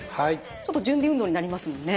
ちょっと準備運動になりますもんね。